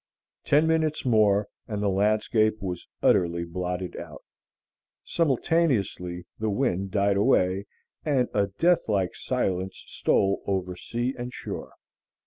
Ten minutes more and the landscape was utterly blotted out; simultaneously the wind died away, and a death like silence stole over sea and shore.